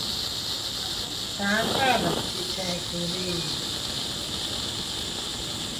¿Taka dukchi chekude?